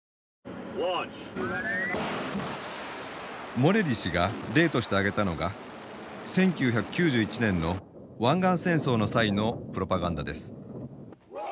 モレリ氏が例として挙げたのが１９９１年の湾岸戦争の際のプロパガンダです。